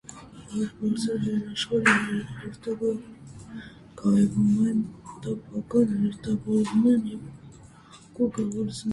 Ոչ բարձր լեռնաշարերը հերթագայվում են տափարակ հարթավայրերով և գոգավորություններով։